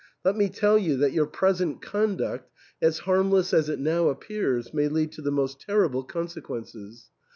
Let me tell you that your present conduct, as harmless as it now appears, may lead to the most terrible consequences.